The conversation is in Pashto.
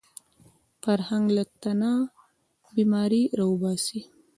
فرهنګ له تنه بیماري راوباسي